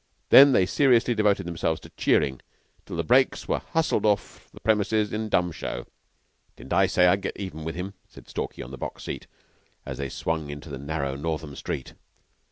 Then they seriously devoted themselves to cheering till the brakes were hustled off the premises in dumb show. "Didn't I say I'd get even with him?" said Stalky on the box seat, as they swung into the narrow Northam street.